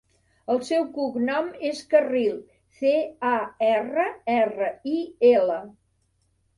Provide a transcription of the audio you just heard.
El seu cognom és Carril: ce, a, erra, erra, i, ela.